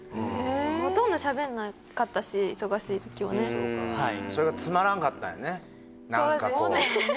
ほとんどしゃべんなかったし忙しいときはねはいそれがつまらんかったんやね